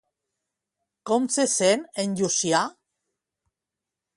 Com se sent en Llucià?